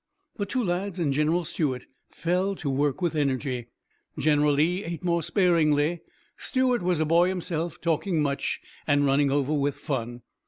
The two lads and General Stuart fell to work with energy. General Lee ate more sparingly. Stuart was a boy himself, talking much and running over with fun.